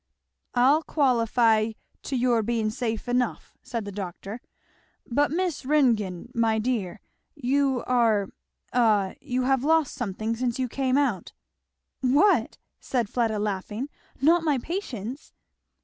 "I'll qualify to your being safe enough," said the doctor. "But Miss Ringgan, my dear, you are a you have lost something since you came out " "What?" said Fleda laughing. "Not my patience?"